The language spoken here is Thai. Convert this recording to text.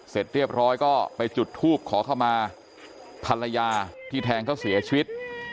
เสร็จเรียบร้อยก็ไปจุดทูบขอเข้ามาภรรยาที่แทงเขาเสียชีวิต